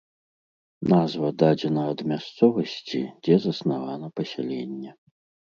Назва дадзена ад мясцовасці, дзе заснавана пасяленне.